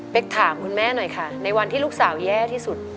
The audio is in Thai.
ถามคุณแม่หน่อยค่ะในวันที่ลูกสาวแย่ที่สุด